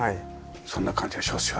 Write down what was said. そんな感じがしますよね。